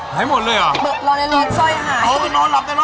หายหมดเลยเหรอ